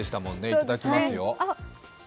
いただきますよ。